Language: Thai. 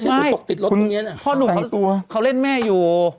ไม่พ่อหนุ่มเขาเล่นแม่อยู่